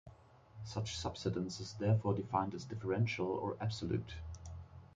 Such subsidence is, therefore, defined as differential or absolute.